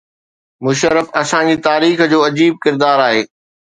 مشرف اسان جي تاريخ جو عجيب ڪردار آهي.